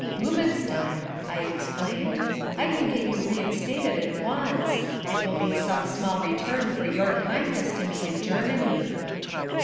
"Boobenstein," I exclaimed, "I can get you reinstated at once. It will be some small return for your kindness to me in Germany."